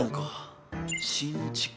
「新築！